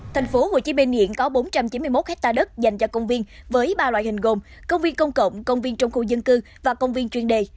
tp hcm hiện có bốn trăm chín mươi một hectare đất dành cho công viên với ba loại hình gồm công viên công cộng công viên trong khu dân cư và công viên chuyên đề